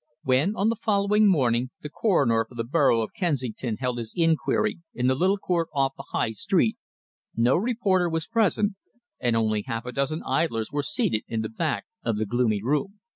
When, on the following morning, the coroner for the borough of Kensington held his inquiry in the little court off the High Street, no reporter was present, and only half a dozen idlers were seated in the back of the gloomy room.